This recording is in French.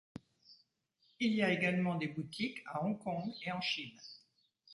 Il y a également des boutiques à Hong Kong et en Chine.